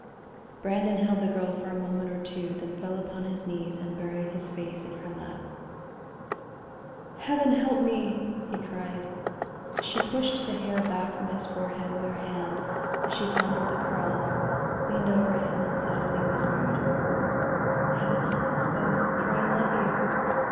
Brandon held the girl for a moment or two, then fell upon his knees and buried his face in her lap. "Heaven help me!" he cried. She pushed the hair back from his forehead with her hand and as she fondled the curls, leaned over him and softly whispered: "Heaven help us both; for I love you!"